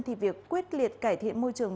thì việc quyết liệt cải thiện môi trường